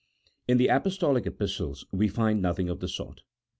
In the Apostolic Epistles we find nothing of the sort.